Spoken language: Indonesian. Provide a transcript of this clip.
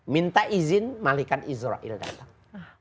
minta izin malikat israel datang